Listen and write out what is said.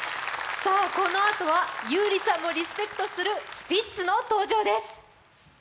さあこのあとは優里さんもリスペクトするスピッツの登場です。